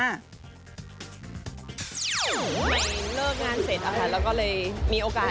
หมายนึงเลิกงานเสร็จแล้วก็เลยมีโอกาส